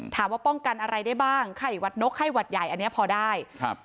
ป้องกันอะไรได้บ้างไข้วัดนกไข้หวัดใหญ่อันเนี้ยพอได้ครับ